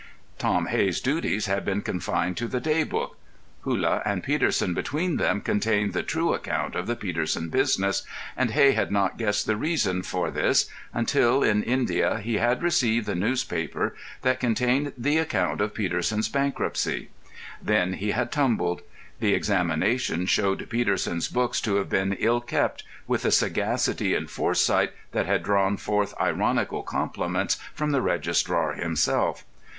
Tom Hey's duties had been confined to the day book; Hullah and Peterson between them contained the true account of the Peterson business; and Hey had not guessed the reason for this until, in India, he had received the newspaper that contained the account of Peterson's bankruptcy. Then he had "tumbled." The examination showed Peterson's books to have been ill kept with a sagacity and foresight that had drawn forth ironical compliments from the registrar himself.